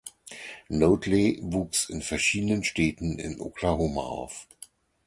Notley wuchs in verschiedenen Städten in Oklahoma auf.